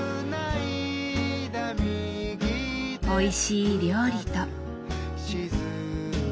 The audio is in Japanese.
おいしい料理と。